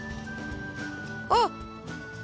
あっ！